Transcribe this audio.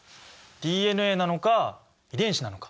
ＤＮＡなのか遺伝子なのか。